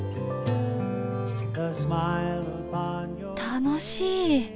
楽しい。